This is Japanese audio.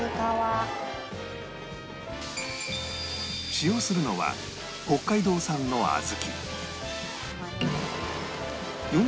使用するのは北海道産の小豆